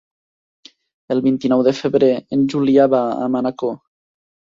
El vint-i-nou de febrer en Julià va a Manacor.